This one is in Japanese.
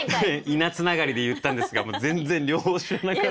稲つながりで言ったんですが全然両方知らなかった。